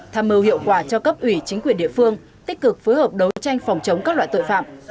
tham mưu hiệu quả cho cấp ủy chính quyền địa phương tích cực phối hợp đấu tranh phòng chống các loại tội phạm